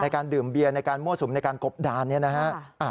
การดื่มเบียร์ในการมั่วสุมในการกบดานเนี่ยนะฮะ